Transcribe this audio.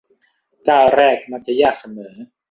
ก้าวแรกมักจะยากเสมอ